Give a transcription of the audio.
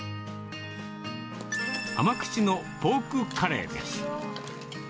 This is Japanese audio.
甘口のポークカレーです。